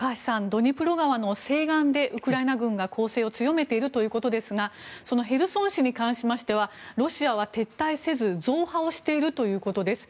ドニプロ川の西岸でウクライナ軍が攻勢を強めているということですがそのヘルソン市に関してはロシアは撤退せず増派をしているということです。